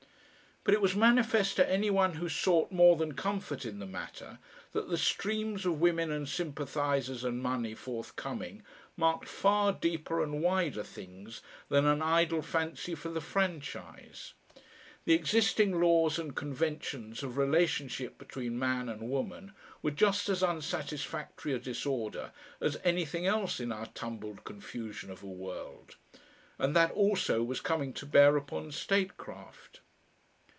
But it was manifest to any one who sought more than comfort in the matter that the streams of women and sympathisers and money forthcoming marked far deeper and wider things than an idle fancy for the franchise. The existing laws and conventions of relationship between Man and Woman were just as unsatisfactory a disorder as anything else in our tumbled confusion of a world, and that also was coming to bear upon statecraft.